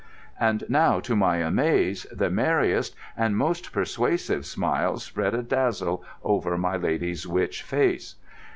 And now, to my amaze, the merriest and most persuasive smile spread a dazzle over my lady witch's face.